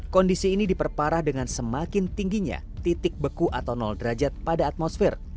kondisi ini diperparah dengan semakin tingginya titik beku atau nol derajat pada atmosfer